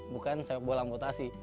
bukan sepak bola amputasi